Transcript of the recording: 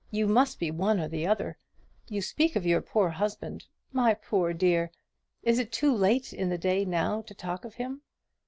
You must be one or the other. You speak of your husband. My poor dear, it is too late in the day now to talk of him.